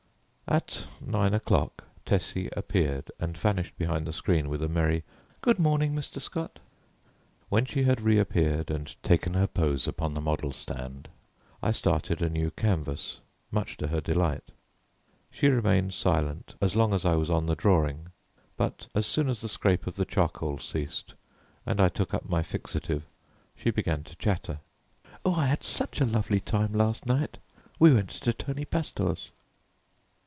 At nine o'clock Tessie appeared and vanished behind the screen with a merry "Good morning, Mr. Scott." When she had reappeared and taken her pose upon the model stand I started a new canvas, much to her delight. She remained silent as long as I was on the drawing, but as soon as the scrape of the charcoal ceased and I took up my fixative she began to chatter. "Oh, I had such a lovely time last night. We went to Tony Pastor's."